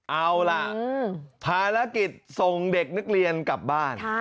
เอาล่ะภารกิจส่งเด็กนักเรียนกลับบ้าน